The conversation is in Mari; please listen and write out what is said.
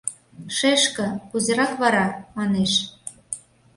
— Шешке, кузерак вара? — манеш.